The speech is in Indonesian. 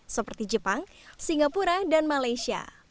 seperti jepang singapura dan malaysia